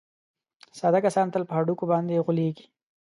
ساده کسان تل په هډوکي باندې غولېږي.